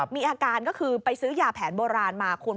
มีอาการก็คือไปซื้อยาแผนโบราณมาคุณ